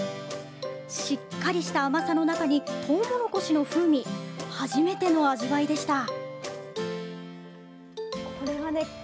しっかりした甘さの中に、トウモロコシの風味、初めての味わいでした。